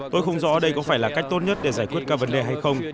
tôi không rõ đây có phải là cách tốt nhất để giải quyết các vấn đề hay không